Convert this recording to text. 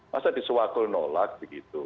masa disuatul nolak begitu